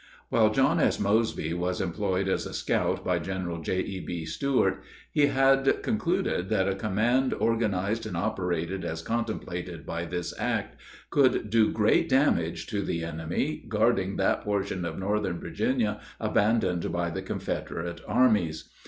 While John S. Mosby was employed as a scout by General J.E.B. Stuart, he had concluded that a command organized and operated as contemplated by this act could do great damage to the enemy guarding that portion of Northern Virginia abandoned by the Confederate armies.